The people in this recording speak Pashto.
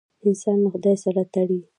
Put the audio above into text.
انسان له خدای سره تړي.